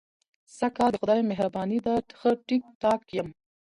سږ کال د خدای مهرباني ده، ښه ټیک ټاک یم.